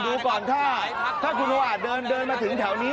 ดูก่อนถ้าคุณพระอาจเดินมาถึงแถวนี้